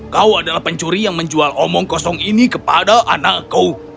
kau adalah pencuri yang menjual omong kosong ini kepada anakku